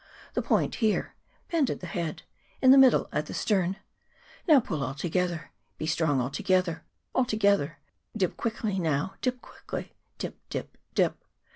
The point there : bend, at the head, In the middle, at the stern ; Now pull all together. Be strong all together, all together. Dip quickly, now dip quickly, Dip, dip, dip.